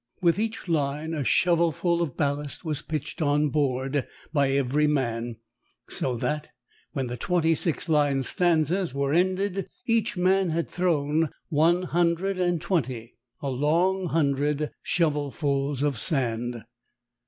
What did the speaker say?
With each line, a shovelful of ballast was pitched on board by every man; so that, when the twenty six line stanzas were ended, each man had thrown one hundred and twenty (a "long hundred") shovelfuls of sand.